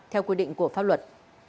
theo quy định của pháp luật